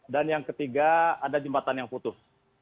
dan yang ketiga ada jembatan yang putus